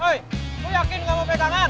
hei lo yakin gak mau pegangan